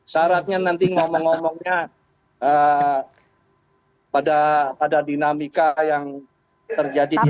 syaratnya nanti ngomong ngomongnya pada dinamika yang terjadi di